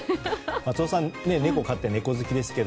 松尾さんは猫を飼っている猫好きですが